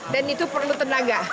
dan itu perlu tenaga